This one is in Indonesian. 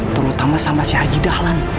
terutama sama si haji dahlan